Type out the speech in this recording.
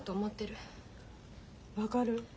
分かる。